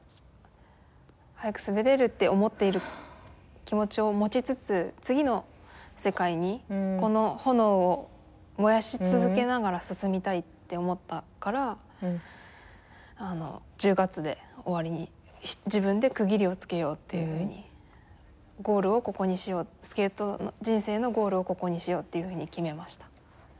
速く滑れるって思っている気持ちを持ちつつ次の世界にこの炎を燃やし続けながら進みたいって思ったから１０月で終わりに自分で区切りをつけようっていうふうにゴールをここにしようスケート人生のゴールをここにしようっていうふうに決めました。